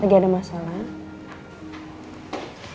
lagi ada masalah